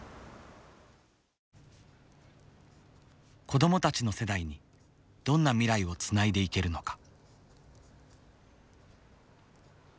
子どもたちの世代にどんな未来をつないでいけるのか。